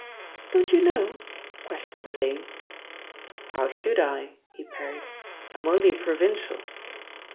"Don't you know?" questioned the dame. "How should I?" he parried. "I'm only a provincial."